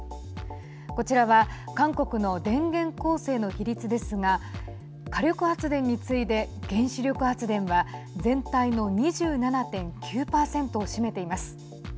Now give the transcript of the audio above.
こちらは韓国の電源構成の比率ですが火力発電に次いで原子力発電は全体の２７．９％を占めています。